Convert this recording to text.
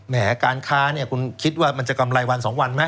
การค้าเนี่ยคุณคิดว่ามันจะกำไรวัน๒วันไหม